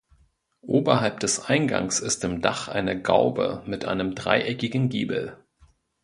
Oberhalb des Eingangs ist im Dach eine Gaube mit einem dreieckigen Giebel.